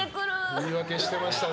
言い訳してましたね。